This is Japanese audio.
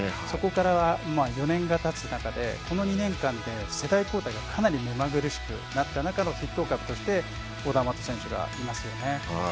そこから４年がたつ中でこの２年間で世代交代がかなり目まぐるしくなった中の筆頭株としてオダーマット選手がいますよね。